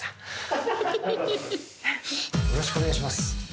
よろしくお願いします。